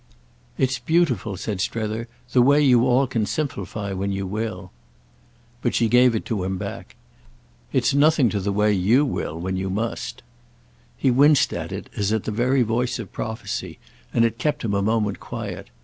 "It's beautiful," said Strether, "the way you all can simplify when you will." But she gave it to him back. "It's nothing to the way you will when you must." He winced at it as at the very voice of prophecy, and it kept him a moment quiet.